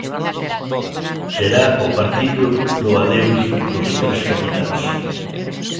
Será o partido do adeus dos tres capitáns.